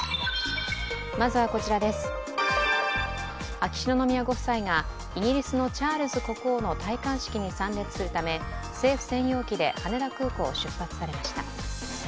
秋篠宮ご夫妻がイギリスのチャールズ国王の戴冠式に参列するため政府専用機で羽田空港を出発しました。